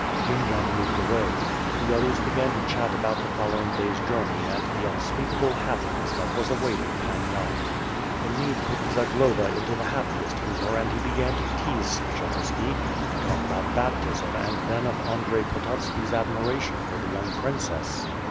Jendzian moved away. The others began to chat about the following day's journey and the unspeakable happiness that was awaiting Pan Yan. The mead put Zagloba into the happiest humor and he began to tease Skshetuski> to talk about baptism ^nd then '^f Andrey Pototski's admiration for the young princess.